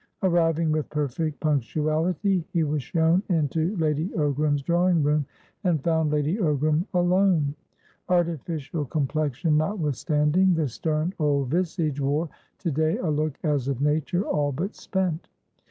Arriving with perfect punctuality, he was shown into Lady Ogram's drawing room, and found Lady Ogram alone. Artificial complexion notwithstanding, the stern old visage wore to day a look as of nature all but spent.